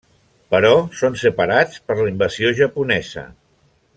Però són separats per la invasió japonesa.